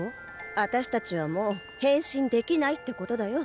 あたしたちはもう変身できないってことだよ。